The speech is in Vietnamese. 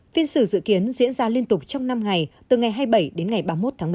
phiên xử dự kiến diễn ra liên tục trong năm ngày từ ngày hai mươi bảy đến ngày ba mươi một tháng một mươi